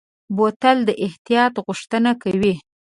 بوتل د احتیاط غوښتنه کوي.